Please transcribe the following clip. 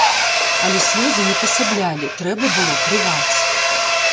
Але слёзы не пасаблялі, трэба было трываць.